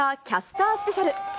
キャスタースペシャル。